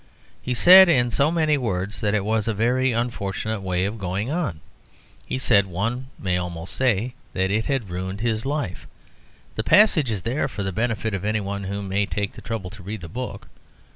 He said in so many words that it was a very unfortunate way of going on; he said, one may almost say, that it had ruined his life; the passage is there for the benefit of any one who may take the trouble to read the book.